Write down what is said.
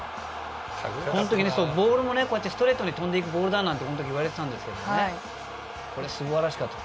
本当に、ボールもストレートに飛んでいくボールだなんて言われてたんですけどすばらしかった。